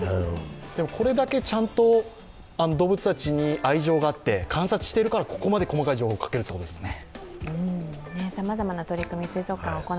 これだけちゃんと動物たちに愛情があって、観察しているからここまで細かい情報が書けるということですね。